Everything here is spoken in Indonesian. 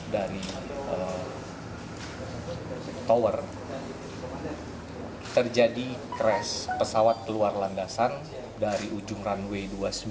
dari tower terjadi crash pesawat keluar landasan dari ujung runway dua puluh sembilan